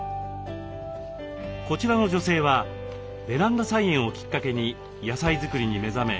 こちらの女性はベランダ菜園をきっかけに野菜作りに目覚め